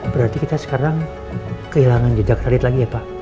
berarti kita sekarang kehilangan jejak elit lagi ya pak